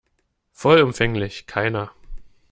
Vollumfänglich, keiner.